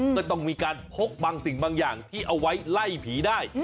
ก็ต้องมีการพกบางสิ่งบางอย่างที่เอาไว้ไล่ผีได้